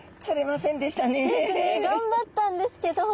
がんばったんですけど。